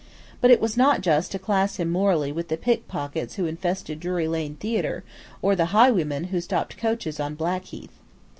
But it was not just to class him morally with the pickpockets who infested Drury Lane Theatre, or the highwaymen who stopped coaches on Blackheath.